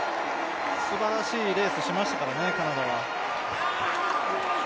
すばらしいレースをしましたからカナダは。